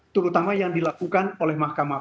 terutama yang dilakukan oleh mahkamah